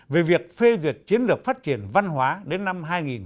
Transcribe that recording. về việc phê duyệt chiến lược phát triển văn hóa đến năm hai nghìn ba mươi